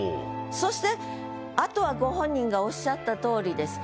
そしてあとはご本人がおっしゃった通りです。